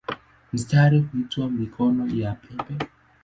Mistari huitwa "mikono" ya pembe.